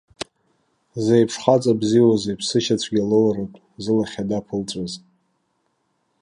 Дзеиԥш хаҵа бзиоузеи, ԥсышьацәгьа лоуртә, зылахь ада ԥылҵәаз.